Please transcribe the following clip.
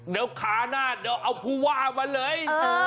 เดี๋ยวขาหน้าเดี๋ยวเอาผู้ว่ามาเลย